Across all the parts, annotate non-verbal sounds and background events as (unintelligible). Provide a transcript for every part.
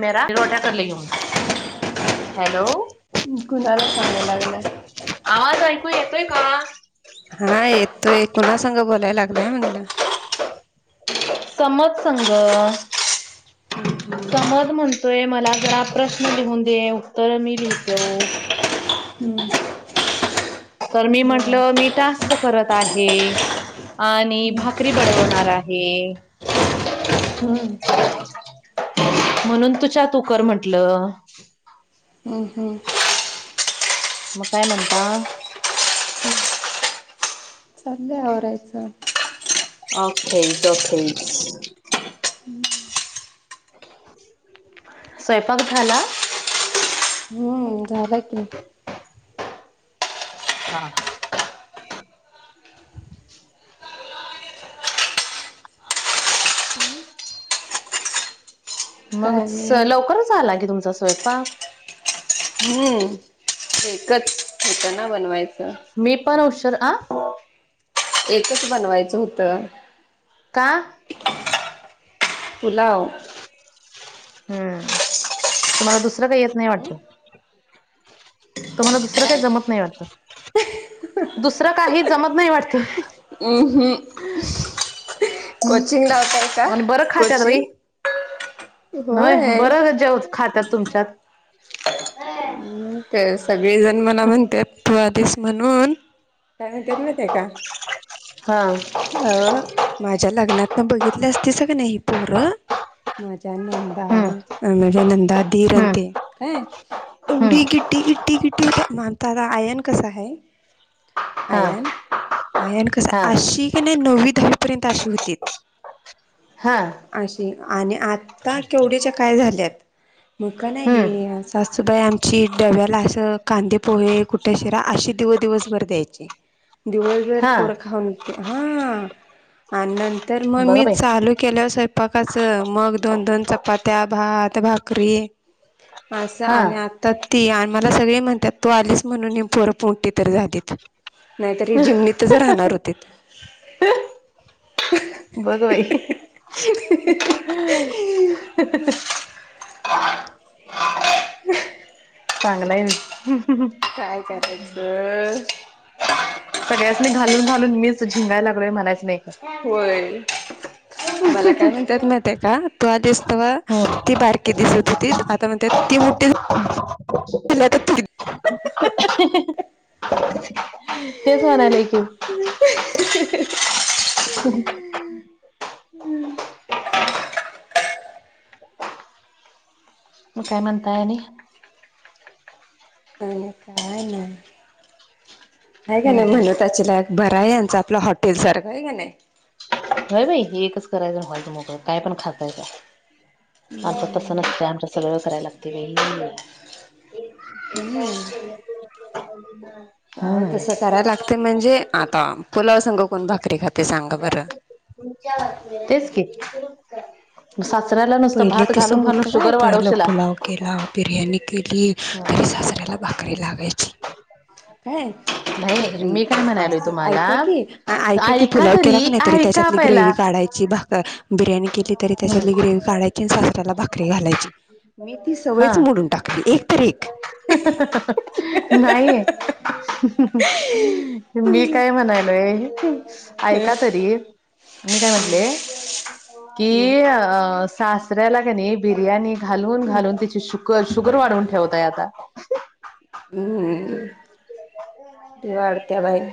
म रा रोटा कर ल ह हॅलो गुणाला सांगाय लागल्यास. आवाज ऐकू येतोय का. हा येतोय कुणा संग बोलाय लागलाय म्हटलं. समर्थ संग. हम्म हम्म तो म्हणतोय मला जरा प्रश्न लिहून दे, उत्तर मी लिहीतो. हम्म तर मी बर म्हंटलं मी टास्क करत आहे आणि भाकरी बड वणार आहे. हम म्हणून तुच्या तू कर म्हंटल. हम् हम् मग काय म्हणता हम्म संध्या आवरायचं ओखेस ओखे स्वयंपाक झाला? हो, झालं की हा हा मग, काय आणि लवकरच झाला की तुमचा स्वयंपाक हम्म, एकच होतं ना बनवायचं मी पण हशार आ एकच बनवायचं होतं का पुलाव हम्म, तुम्हाला दुसरं काही येत नाही वाटत तुम्हाला दुसरं काही जमत नाही वाटत दुसरं काही जमत नाही वाटत हम्म कोचिंग लावतय का आणि कोचिंग नाही, होय. बरं जेव खातात तुमच्यात तर सगळे जण मला म्हणतात तु आधीस म्हणून, काय म्हणतात माहितीये काय? हा आव माझ्या लग्नातन बघितल्या असतीस का नाही ही पोरं माझ्या नंदा, हम्म माझ्या नंदा धीर अन् हम्म ते हम्म एवढी गिटी गिट्टी गिट्टी होतत्या मानता आयन कसा आहे हा आयन? आयन कसं? हा अशी की नाय नववी दहावीपर्यंत अशी होती हा अशी आणि आता केवढ्याच्या काय झाल्यात मग का नई हम्म हे सासूबाई आम ची डव्याला असं कांदे पोहे, कुठ्या शिरा अशी दिव दिवसभर द्यायची दिवसभर हा पोर खाऊनत्या, हा आणि नंतर मग बघ मी बाई चालू केल स्वयंपाकच मग दोन दोन चपात्या, भात, भाकरी असं हा आणि आ ती आणि मला सगळे म्हणतात तू आलीस म्हणून ही पोरं पोरंटी तरी राहतीत नाही तरी जिमनीतच राहणार होते बघ बाई (unintelligible) (unintelligible) (unintelligible) चांगलाय काय करायचं? सगळ्यासनी घालून घालून मीच झिंंगायला लागलोय म्हणायच नाही होय. का मला काय म्हणतात माहितीये का तू आली तव्हा हम्म ती बारकी दिसत- आता म्हणत्यात ती मोठे (inaudible) तेच म्हणाले आहे की ह मग काय म्हणताय आणि आणि काय नाय, नाय गं हम्म नाय हम्म म्हणताची ला बरं यांचं आपलं हॉटेल सारखं आहे का नाही (unintelligible) हय बाई एकच करायचं हॉल मोकळ काय पण खातायचा (unintelligible) आमच तसं नसते, आमचा सगळं करायला लागते बाई (unintelligible) (inaudible) (unintelligible) तसं करायला लागते म्हणजे आता पुलाव सांग कोण भाकरी खाते सांगा बरं (unintelligible) तेच क (unintelligible) साचऱयला नसतं पहिलं भात तसं घालून घालून होतं काय शुगर पहिलं वाढवशीलला (unintelligible) पुलाव केला बिरयानी केली (unintelligible) हा (unintelligible) सासऱ्याला भाकरी लागायची काय (unintelligible) नाही तरी मी काय म्हणालोय असं तुम्हाला ऐकाय की ऐकाय की ऐका पुलाव केला तरी का नाहीतरी ऐका त्याच्यातली ग्रेव पहिला. काढायची बा बिर्याणी केली तरी त्याच्याली ग्रेव काढायची आणि सासऱ्याला भाकरी घालायची (unintelligible) मी ती हा सवयच मोडून टाकली एक तर एक नाही (unintelligible) मी काय म्हणालोय ऐका तरी मी काय म्हटले की हम्म सासऱ्याला का नाही बिर्याणी (unintelligible) घालून घालून त्यािची शुग शुगर वाढवून ठेवतय आता (unintelligible) देवाार (unintelligible) त्या बाय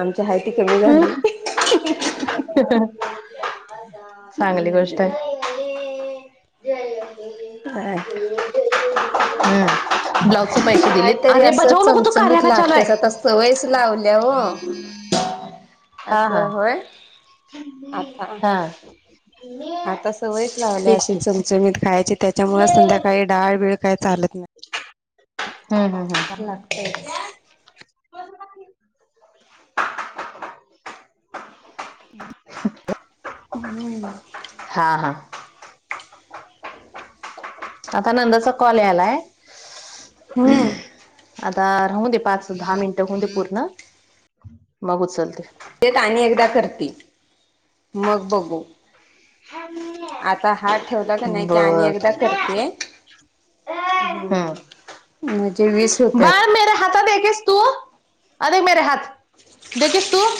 आमच्या हयतीी कमी झाली (unintelligible) चांगली गोष्ट आहे ह (unintelligible) हम ब्लाउज च पैसे काय दिलेत अरे बजाव नघ तू कार्या का चालू आहे सवयस लावल्या हो (unintelligible) हा असछ हा हो (unintelligible) हा तेच की (unintelligible) त्यां मी खायची त्याच्यामुळेच संध्याकाळी डाळ बळ (unintelligible) काय चालत नाहीगत हम्म हम्म हम्म (unintelligible) (unintelligible) हम् (unintelligible) हा हा आता नंदाचा कॉल यालाय हम्म आता राहऊ दे पाच दहा मिनिटं होऊ दे पूर्ण (unintelligible) बघूच चालते (unintelligible) तेेत आणि एकदा करते मग बघू (unintelligible) आता हा ठेवला का नाही की आणि एकदा बर करते (unintelligible) ह हम्म म्हणजे वीस होत्यात बर मेरा हाता देखे (unintelligible) तू अध मेरे हात देिस तू (unintelligible)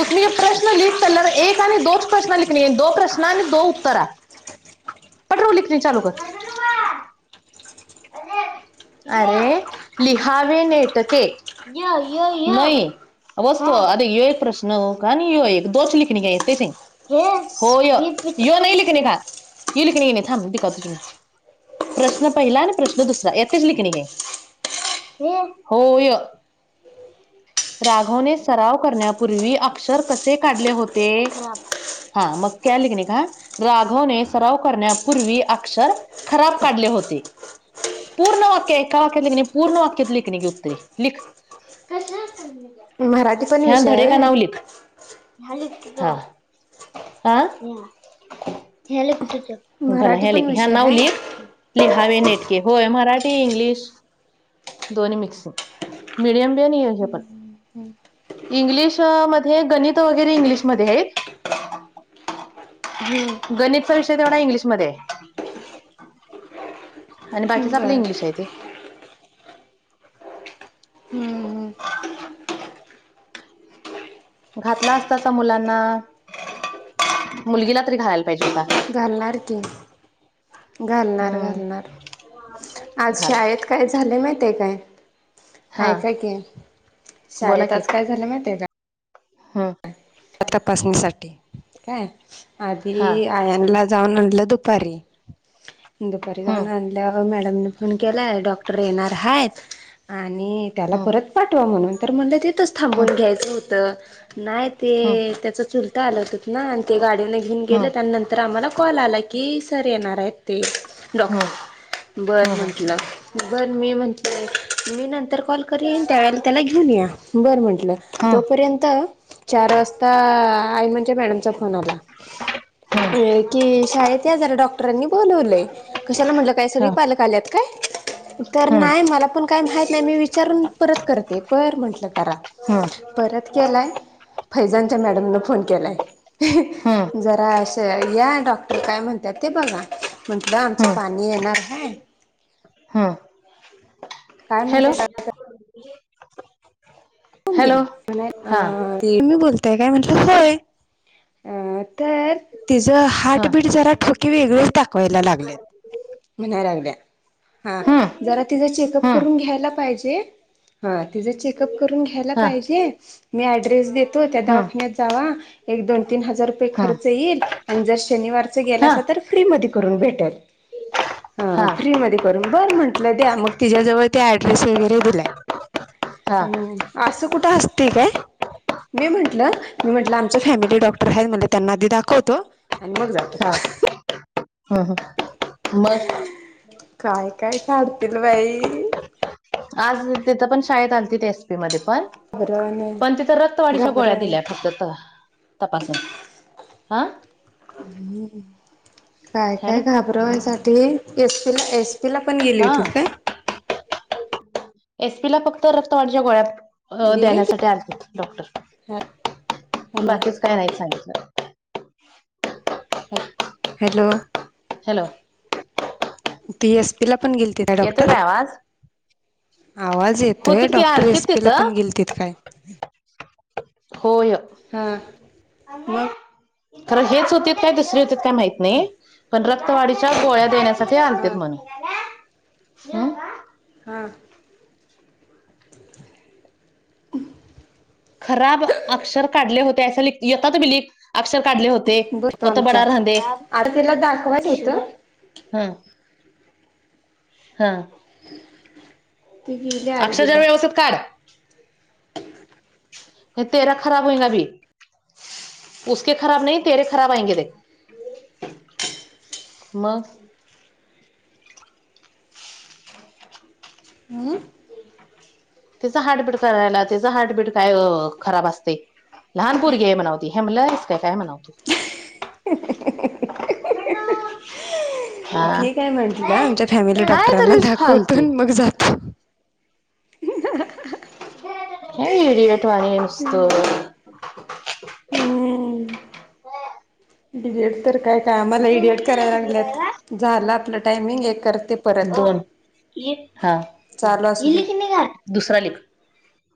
उसे प्रश्न लिख तल एक आणि दोच प्रश्न लिख (unintelligible) दो प्रश्न आणि दो उत्तरा पट्रव लेखणी चालू कर (unintelligible) अ (unintelligible) अरे लिहावे नेटके य यई (unintelligible) वस्त आ यो एक प्रश्न का नाही यो एक दोच ललेखणी का आहेत तेश (unintelligible) हो हो य य नाही लिखिणे खा य ललेखणी येेणे ागखात तुम्ही (unintelligible) प्रश्न पहिला (unintelligible) प्रश्न दुसरा यातच ललेखणी आहे हो य (unintelligible) राघवने सराव करण्यापूर्वी अक्षर कसे काढले होते (unintelligible) हा मग काय लिखणे का राघवने सराव करण्यापूर्वी अक्षर (unintelligible) खराब काढले होते (unintelligible) पूर्ण वाक्य आहे एका वाक्यात लिखणे पूर्ण वाक्यात लिखणे गी उत्तरी लिख मराठी पण (unintelligible) ह्या विषय आहे धडे का व्हय नावलिक (unintelligible) ल (unintelligible) भला मराठी ह्या पण लिख ह्या विषय नाव हाय लिख लिहावे नेटके होय मराठी इंग्लिश (unintelligible) दोन्ही मिक्सिंग मिडियम बी आणि एज पण. इंग्लिशमध्ये गणित वगैरे इंग्लिशमध्ये हाईत. हम्म गणितचा विषय तेवढा इंग्लिशमध्ये हाय. आणि बाकीच आपलं बर इंग्लिश हाय ते. हम्म घातला असतासा मुलांना मुलगीला तरी घालायला पाहिजे हुता. घालणार की घालणार हम्म घालणार आज घाल शाळेत काय झालं माहिती हाय काय? हा आइका की शाळेत आज काय झालं माहिती हाय का. हम तपासणीसाठी काय हा आधी आयानला जाऊन आणलं दुपारी दुपारी हम्म जाऊन आण ल्याव मॅडमने फोन केलाय डॉक्टर येणार आहेत आणि त्याला हम्म परत पाठवा म्हणून तर म्हणलं तिथंच हम्म थांबून घ्यायचं होतं नाही ते हम्म त्याच चुलता आलं होत ना आणि ते गाडीन घेऊन गेल हम्म आणि नंतर आम्हाला कॉल आला की सर येणार आहेत ते. हम्म डॉक्टर बर हम्म म्हटलं बर मी म्हटलं मी नंतर कॉल करीण त्यावेळेला त्याला घेऊन या बरं म्हंटलं हम्म तोपर्यंत चार वाजता आईमाच्या मॅडमचा फोन आला. हम्म अ की शाळेत या जरा डॉक्टरांनी बोलवलंय. कशाला म्हटलं काय सगळी हा पालक आल्यात काय. तर हम्म न्हाय मला पण काय माहित न्हाय मी विचारून परत करते पर म्हंटलं करा. हां परत केलाय, फैजानच्या मॅडमनं फोन केलाय. हम्म जरा अंस या डॉक्टर काय म्हणत्यात ते बघा. म्हणटल आमचं पाणी येणार हाय, हा काय म्हणतेय ण हॅलो दिला हा अ तुमी बोलताय काय म्हटलं होय अ तर, तिचं हा हार्टबीट जरा ठोकीे वेगळेच दाखवायला लागलेत. म्हणायलागल्या हा हम्म जरा तिचा चेकअप हम्म करून घ्यायला पाहिजे. हा तिचां चेकअप करून घ्यायला हा पाहिजे मी ऍड्रेस देतो त्या हम्म दवाखान्यात जावा एक दोन तीन हजार रुपये हम्म खर्च येईल आणि जर शनिवारच हा गेलासा तर फ्री मधी करून भेटल हा फ्री मधी कर बर म्हंटलं द्या मग तिच्याजवळ ते ऍड्रेस वगैरे दिलाय. हा हम्म असं कुठं असतय काय. मी म्हटलं मी म्हटलं आमच फॅमिली डॉक्टर हायत म्हटलं त्यांना आधी दाखवतो, आण मग जातो. हा हम्म मग काय काय काढतील बाई, आज तिथं पण शाळेत आलती ते एसपी मध्ये पण, घाबरवान पण तिथं रक्तवाढीच्या गोळ्या घाबरवान दिल्या फक्त तपासून. हा काय हॅलो काय घा, आग्रह्यासाठी एस पीला एस पीला पण गेली हा होतीत काय. एसपी ला फक्त रक्त वाढच्या गोळ्यात अ गेली होती देण्यासाठी आलतेत ह डॉक्टर हॅलो बाकीच काय नाही सांगितलं. हॅलो हॅलो ती एस पी ला पण गेलती काय येतोय डॉक्टर. आवाज आवाज येतोय होतीत की डॉक्टर आलतीत एस पीला तिथं पण गेलतील काय. होय (unintelligible) हां मग (unintelligible) खरं हेच होती काय दुसरी होती काय माहत नाही (unintelligible) पण रक्तवाढच्या गोळ्या देण्यासाठी आलते हा म्हणून (unintelligible) हम् (unintelligible) हां (unintelligible) खराब अक्षर काढले होते अस यता त मीि (unintelligible) अक्षर काढले होते बघतो कोत बड आमच्या राह अरे तिला दाखवायचं अक्षर होतं (unintelligible) हा हा (unintelligible) (unintelligible) अक्षरशः आरवीला. व्यवस्थितत का (unintelligible) हे तेरा खराब होई का भी (unintelligible) उक खराब नाही तेरे खराब आयंगे दे (unintelligible) मग (unintelligible) हं (unintelligible) तचं हार्टबीट करायला त्याचं हार्टबीट काय खराब असते (unintelligible) लहान मुरगी आहे म्हणवती हेमलस काय काय म्हणावतो (unintelligible) हसण्याचा आवाज (unintelligible) अण ना (unintelligible) ठीक आहे म्हंटलं आमच्या फॅमिली डॉक्टरांना तरीच फालतू दाखवतून मग जातो (unintelligible) ह (unintelligible) नाहीडीठवाणी नसतो (unintelligible) हम्म बेड (unintelligible) तर काय काय आम्हाला एडिट करायला लागल्यात झालं आपलं टायमिंग एक करते (unintelligible) दोन एक हा चालू असू इ दे. ले की नाही का दुसरा लेख (unintelligible)